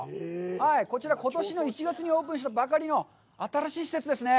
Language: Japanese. こちらことしの１月にオープンしたばかりの新しい施設ですね。